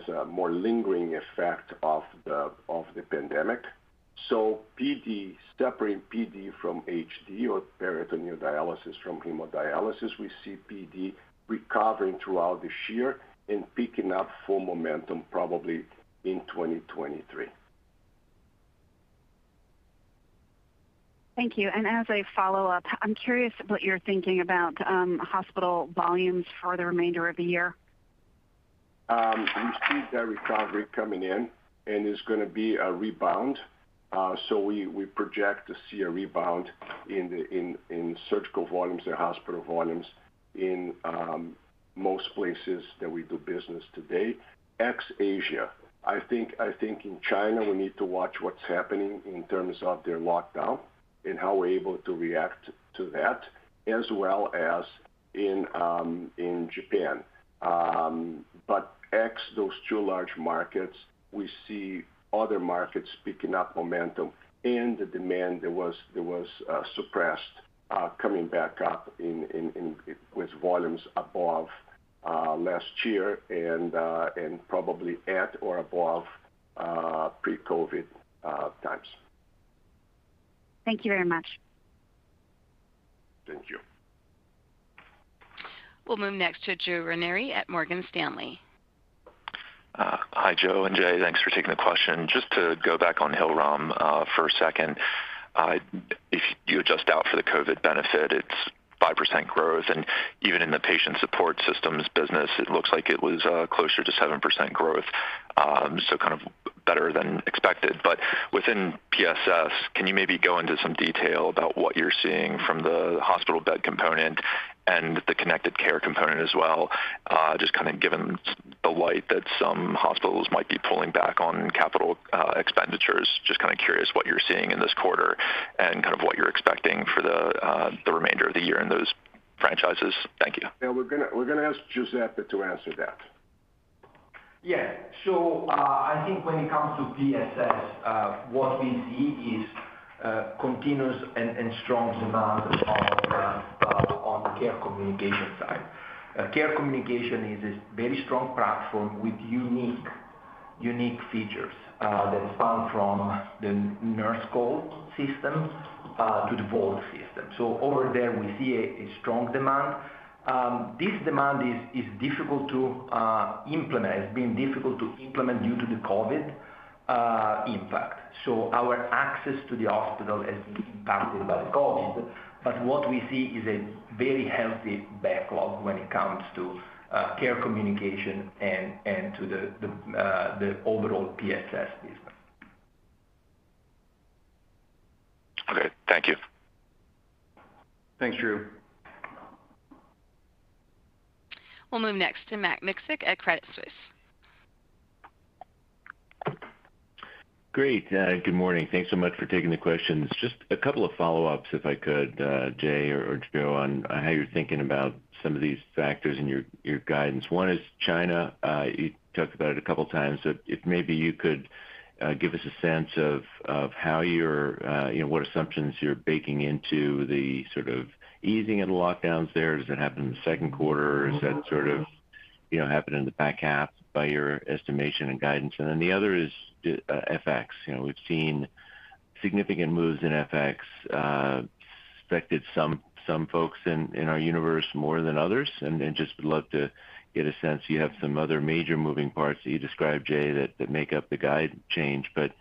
C: a more lingering effect of the pandemic. PD, separating PD from HD or peritoneal dialysis from hemodialysis, we see PD recovering throughout this year and picking up full momentum probably in 2023.
J: Thank you. As a follow-up, I'm curious what you're thinking about hospital volumes for the remainder of the year?
C: We see that recovery coming in, and there's gonna be a rebound. We project to see a rebound in surgical volumes or hospital volumes in most places that we do business today, ex-Asia. I think in China, we need to watch what's happening in terms of their lockdown and how we're able to react to that, as well as in Japan. Ex those two large markets, we see other markets picking up momentum and the demand that was suppressed coming back up with volumes above last year and probably at or above pre-COVID times.
I: Thank you very much.
C: Thank you.
A: We'll move next to Drew Ranieri at Morgan Stanley.
K: Hi, Joe and Jay. Thanks for taking the question. Just to go back on Hillrom for a second. If you adjust out for the COVID benefit, it's 5% growth, and even in the Patient Support Systems business, it looks like it was closer to 7% growth. Kind of better than expected. Within PSS, can you maybe go into some detail about what you're seeing from the hospital bed component and the connected care component as well? Just kind of in light of some hospitals might be pulling back on capital expenditures. Just kind of curious what you're seeing in this quarter and kind of what you're expecting for the remainder of the year in those franchises. Thank you.
C: Yeah. We're gonna ask Giuseppe answer that.
L: I think when it comes to PSS, what we see is continuous and strong demand on the Care Communications side. Care Communications is a very strong platform with unique features that span from the nurse call system to the Voalte system. Over there, we see a strong demand. This demand is difficult to implement. It's been difficult to implement due to the COVID impact. Our access to the hospital has been impacted by COVID, but what we see is a very healthy backlog when it comes to Care Communications and to the overall PSS business.
K: Okay. Thank you.
C: Thanks, Drew.
A: We'll move next to Matt Miksic at Credit Suisse.
M: Great. Good morning. Thanks so much for taking the questions. Just a couple of follow-ups, if I could, Jay or Joe, on how you're thinking about some of these factors in your guidance. One is China. You talked about it a couple of times. If maybe you could give us a sense of what assumptions you're baking into the sort of easing of the lockdowns there. Does that happen in the second quarter? Is that sort of, you know, happen in the back half by your estimation and guidance? And then the other is FX. You know, we've seen significant moves in FX, affected some folks in our universe more than others, and just would love to get a sense. You have some other major moving parts that you described, Jay, that make up the guide change, but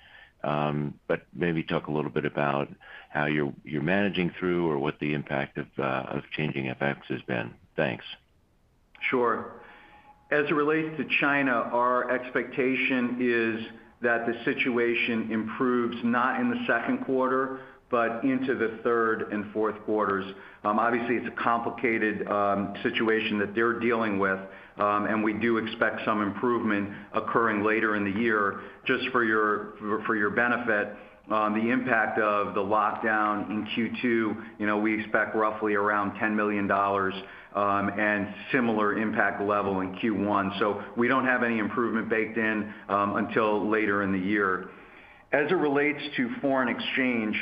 M: maybe talk a little bit about how you're managing through or what the impact of changing FX has been? Thanks.
D: Sure. As it relates to China, our expectation is that the situation improves not in the second quarter, but into the third and fourth quarters. Obviously, it's a complicated situation that they're dealing with, and we do expect some improvement occurring later in the year. Just for your benefit, the impact of the lockdown in Q2, you know, we expect roughly around $10 million, and similar impact level in Q1. We don't have any improvement baked in until later in the year. As it relates to foreign exchange,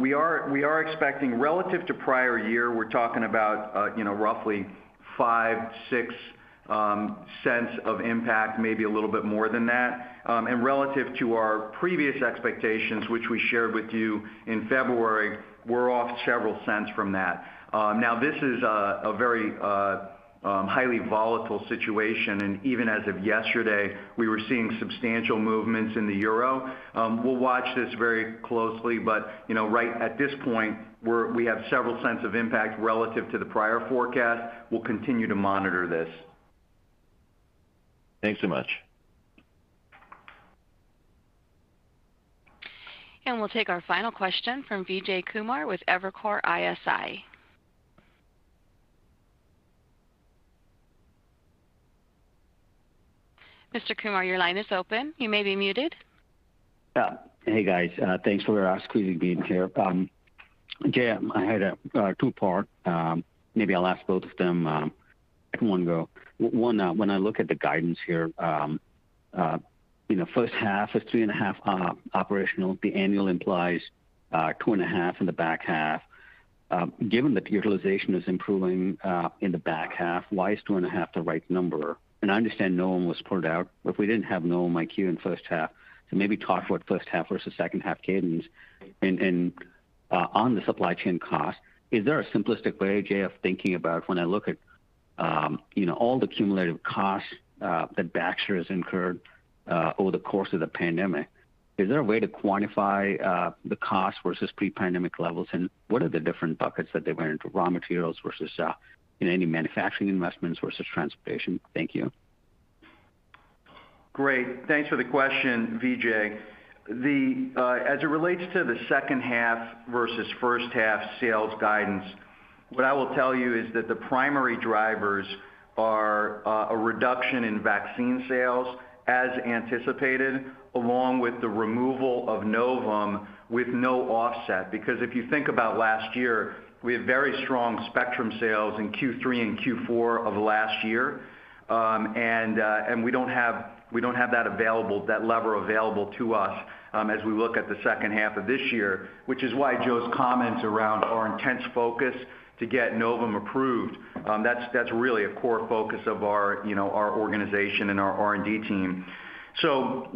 D: we are expecting relative to prior year, we're talking about, you know, roughly $0.05-$0.06 of impact, maybe a little bit more than that. Relative to our previous expectations, which we shared with you in February, we're off several cents from that.
C: Now this is a very highly volatile situation. Even as of yesterday, we were seeing substantial movements in the euro. We'll watch this very closely, but you know, right at this point, we have several cents of impact relative to the prior forecast. We'll continue to monitor this.
M: Thanks so much.
A: We'll take our final question from Vijay Kumar with Evercore ISI. Mr. Kumar, your line is open. You may be muted.
N: Yeah. Hey, guys. Thanks for squeezing me in here. Jay, I had a two-part. Maybe I'll ask both of them in one go. One, when I look at the guidance here, you know, first half is 3.5% operational. The annual implies 2.5% in the back half. Given that the utilization is improving in the back half, why is 2.5% the right number? I understand Novum IQ was pulled out. But if we didn't have Novum IQ in first half, so maybe talk about first half versus second half cadence. On the supply chain cost, is there a simplistic way, Jay, of thinking about when I look at you know all the cumulative costs that Baxter has incurred over the course of the pandemic, is there a way to quantify the cost versus pre-pandemic levels? What are the different buckets that they went into, raw materials versus any manufacturing investments versus transportation? Thank you.
D: Great. Thanks for the question, Vijay. The. As it relates to the second half versus first half sales guidance, what I will tell you is that the primary drivers are a reduction in vaccine sales as anticipated, along with the removal of Novum with no offset. Because if you think about last year, we had very strong Spectrum sales in Q3 and Q4 of last year. We don't have that lever available to us as we look at the second half of this year, which is why Joe's comments around our intense focus to get Novum approved, that's really a core focus of our you know, our organization and our R&D team.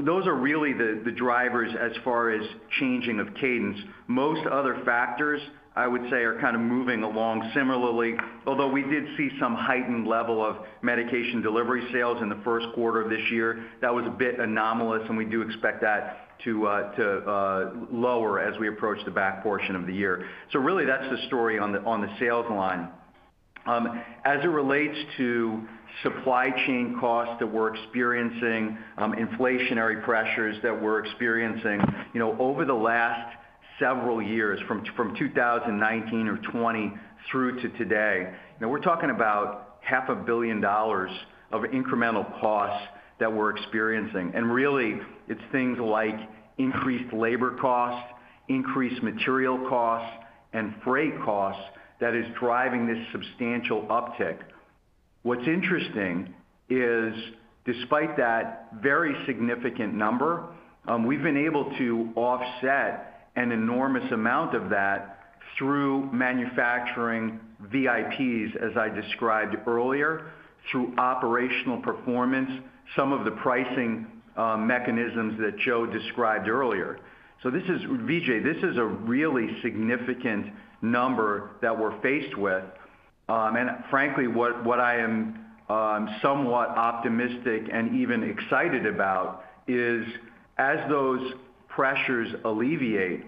D: Those are really the drivers as far as changing of cadence. Most other factors, I would say, are kind of moving along similarly, although we did see some heightened level of Medication Delivery sales in the first quarter of this year. That was a bit anomalous, and we do expect that to lower as we approach the back portion of the year. Really that's the story on the sales line. As it relates to supply chain costs that we're experiencing, inflationary pressures that we're experiencing, you know, over the last several years, from 2019 or 2020 through to today, you know, we're talking about half a billion dollars of incremental costs that we're experiencing. Really it's things like increased labor costs, increased material costs and freight costs that is driving this substantial uptick. What's interesting is despite that very significant number, we've been able to offset an enormous amount of that through manufacturing VIPs, as I described earlier, through operational performance, some of the pricing mechanisms that Joe described earlier. Vijay, this is a really significant number that we're faced with. Frankly, what I am somewhat optimistic and even excited about is as those pressures alleviate,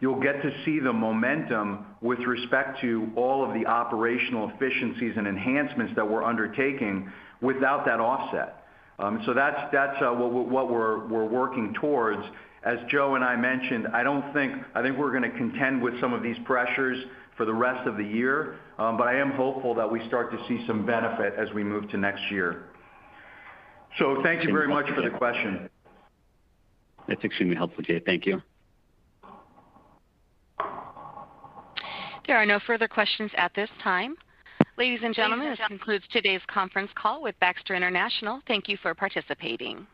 D: you'll get to see the momentum with respect to all of the operational efficiencies and enhancements that we're undertaking without that offset. That's what we're working towards. As Joe and I mentioned, I think we're gonna contend with some of these pressures for the rest of the year, but I am hopeful that we start to see some benefit as we move to next year. Thank you very much for the question.
N: That's extremely helpful, Jay. Thank you.
A: There are no further questions at this time. Ladies and gentlemen, this concludes today's conference call with Baxter International. Thank you for participating.